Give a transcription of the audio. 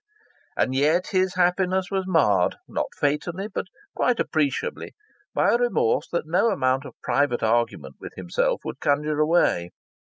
And yet his happiness was marred not fatally but quite appreciably by a remorse that no amount of private argument with himself would conjure away.